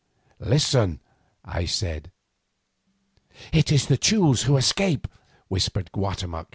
"Listen," I said. "It is the Teules who escape," whispered Guatemoc.